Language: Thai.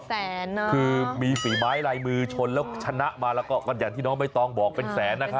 เป็นแสนนะคือมีสี่ไม้ลายมือชนแล้วชนะมาแล้วก็ก็อย่างที่น้องไม่ต้องบอกเป็นแสนนะครับ